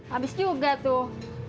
habis juga tuh